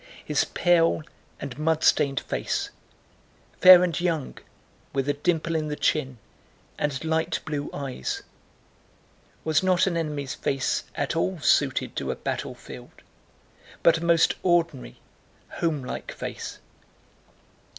His pale and mud stained face—fair and young, with a dimple in the chin and light blue eyes—was not an enemy's face at all suited to a battlefield, but a most ordinary, homelike face.